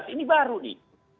ini baru nih